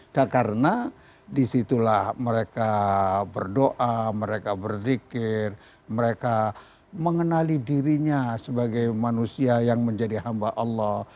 dan karena disitulah mereka berdoa mereka berdikir mereka mengenali dirinya sebagai manusia yang menjadi hamba allah